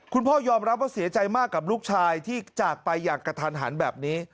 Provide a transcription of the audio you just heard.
คุณพ่อยอมรับว่าเสียใจมากกับลูกชายที่จากไปอย่างกระทันหันแบบนี้